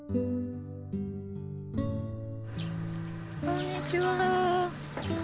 こんにちは。